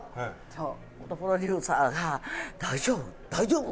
プロデューサーが「大丈夫？大丈夫？」